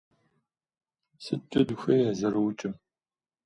СыткӀэ дыхуей а зэрыукӀым?